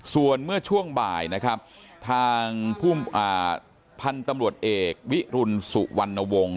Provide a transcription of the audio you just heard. ส่วนเมื่อช่วงบ่ายนะครับทางพันธุ์ตำรวจเอกวิรุณสุวรรณวงศ์